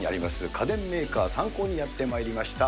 家電メーカー、サンコーにやってまいりました。